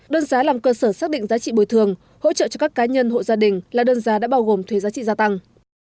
đơn giá làm cơ sở xác định giá trị bồi thường hỗ trợ cho các cá nhân hộ gia đình là đơn giá đã bao gồm thuế giá trị gia tăng